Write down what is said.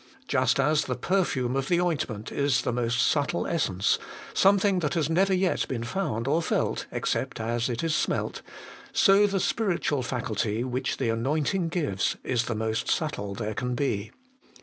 Just as the perfume of the ointment is the most subtle essence, something that has never yet been found or felt, except as it is smelt, so the spiritual faculty which the anointing gives is the most subtle there can be.